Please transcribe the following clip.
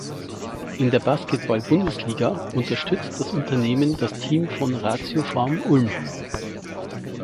In der Basketball-Bundesliga unterstützt das Unternehmen das Team von ratiopharm Ulm.